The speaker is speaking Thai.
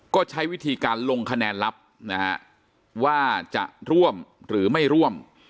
ก็ใช้วิธีการลงคะแนนลับนะฮะว่าจะร่วมหรือไม่ร่วม